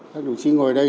các đồng chí ngồi đây